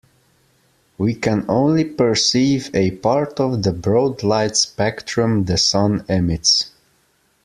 We can only perceive a part of the broad light spectrum the sun emits.